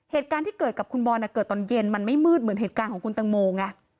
เหตุการณ์ที่เกิดกับคุณบอลเกิดตอนเย็นมันไม่มืดเหมือนเหตุการณ์ของคุณตังโมไง